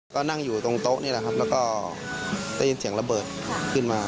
ก็นั่งอยู่ตรงโต๊ะนี่แหละครับแล้วก็ได้ยินเสียงระเบิดขึ้นมา